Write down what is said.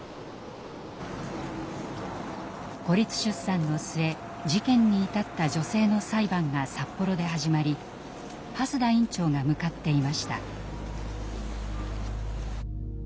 孤立出産の末事件に至った女性の裁判が札幌で始まり蓮田院長が向かっていました。